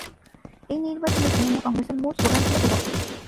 এই নির্বাচনে তৃণমূল কংগ্রেসের মূল শ্লোগান ছিল ‘পরিবর্তন’।